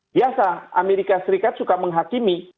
biasa amerika serikat suka menghakimi